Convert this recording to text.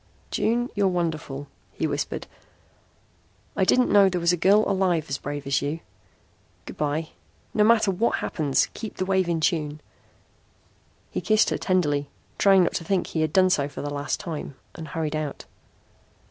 "June, you're wonderful," he whispered. "I didn't know there was a girl alive as brave as you. Good by. No matter what happens, keep the wave in tune." He kissed her tenderly, trying not to think he had done so for the last time, and hurried out.